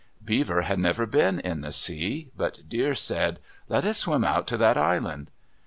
Beaver had never been in the sea, but Deer said, "Let us swim out to that island."